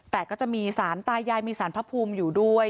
แต่ก็จะมีสารตายายมีสารพระภูมิอยู่ด้วย